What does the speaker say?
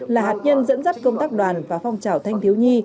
là hạt nhân dẫn dắt công tác đoàn và phong trào thanh thiếu nhi